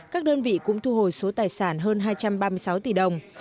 các đơn vị cũng thu hồi số tài sản hơn hai trăm ba mươi sáu tỷ đồng